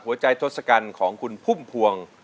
หัวใจทศกัณฐ์ของคุณพุ่มพวง